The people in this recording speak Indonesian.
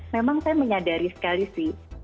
memang saya menyadari sekali sih